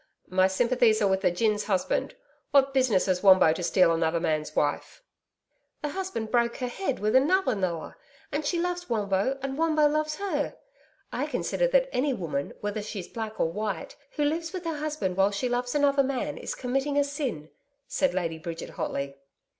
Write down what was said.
'My sympathies are with the gin's husband. What business has Wombo to steal another man's wife?' 'The husband broke her head with a nulla nulla, and she loves Wombo and Wombo loves her. I consider that any woman, whether she's black or white, who lives with her husband while she loves another man is committing a sin,' said Lady Bridget hotly.